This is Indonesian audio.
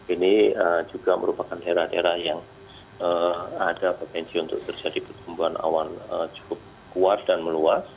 ini juga merupakan daerah daerah yang ada potensi untuk terjadi pertumbuhan awan cukup kuat dan meluas